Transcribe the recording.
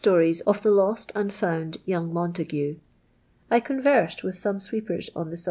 ie? of the lost and found young Mnntaeu. 1 conversed with some sweepers on the ji'.